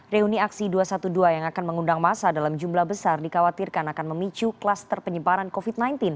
reuni aksi dua ratus dua belas yang akan mengundang masa dalam jumlah besar dikhawatirkan akan memicu klaster penyebaran covid sembilan belas